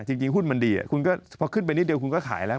จริงหุ้นมันดีคุณก็พอขึ้นไปนิดเดียวคุณก็ขายแล้ว